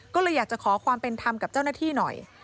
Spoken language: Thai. ก็เลยอยากจะขอความเป็นธรรมกับเจ้าหน้าที่หน่อย